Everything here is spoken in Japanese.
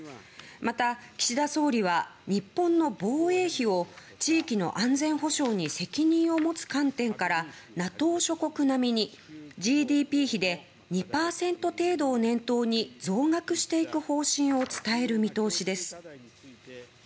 また、岸田総理は日本の防衛費を地域の安全保障に責任を持つ観点からＮＡＴＯ諸国並みにＧＤＰ比で２％程度を念頭に増額していく方針を伝える見通しです。